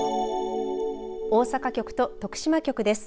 大阪局と徳島局です。